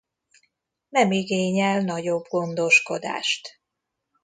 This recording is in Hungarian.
Nem igényel nagyobb gondoskodást.